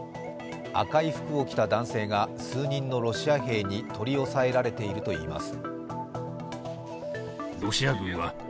赤い服を着た男性が数人のロシア兵に取り押さえられているといいます。